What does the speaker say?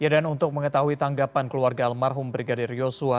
ya dan untuk mengetahui tanggapan keluarga almarhum brigadir yosua